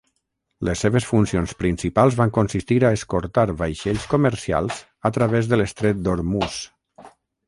Les seves funcions principals van consistir a escortar vaixells comercials a través de l'estret d'Ormuz.